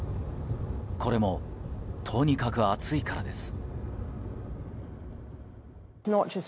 これも、とにかく暑いからです。